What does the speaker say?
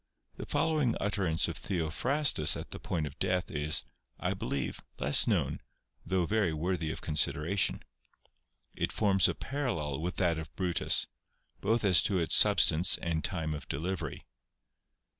The following utterance of Theophrastus at the point of death is, I believe, less known, though very worthy of con sideration. It forms a parallel with that of Brutus, both as to its substance and time of delivery.